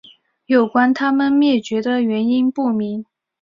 有关它们灭绝的原因不明。